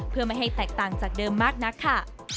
เพื่อไม่ให้แตกต่างจากเดิมมากนักค่ะ